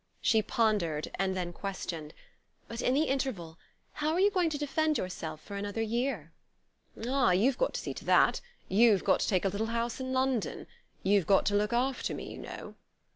She pondered, and then questioned: "But in the interval how are you going to defend yourself for another year?" "Ah, you've got to see to that; you've got to take a little house in London. You've got to look after me, you know."